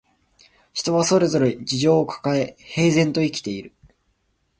人はそれぞれ事情をかかえ、平然と生きている